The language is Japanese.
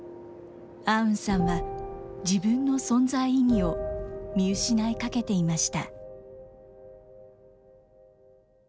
アウンさんは自分の存在意義を見失いかけていました。